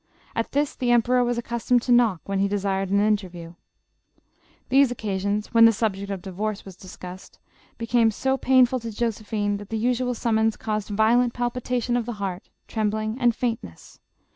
At this, the emperor was accustomed to knock when he desired an interview. These occasions, when tli<> subject of divorce was discussed, became so pain . ful to Josephine that the usual summons caused violent palpitation of the heart, trembling and faintuess.